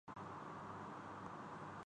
ہم نے P P P کو دم توڑتے دیکھا۔